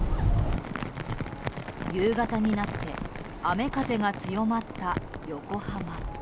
夕方になって雨風が強まった横浜。